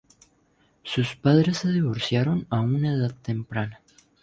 Sus padres se divorciaron a una edad temprana.